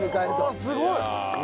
ああすごい！